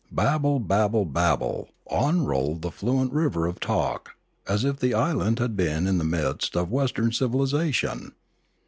Bab ble, babble, babble, on rolled the fluent river of talk, as if the island had been in the midst of Western civil isation.